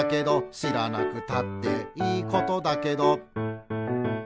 「しらなくたっていいことだけど」